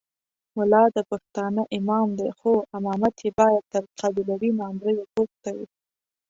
ملا د پښتانه امام دی خو امامت یې باید تر قبیلوي ناندریو پورته وي.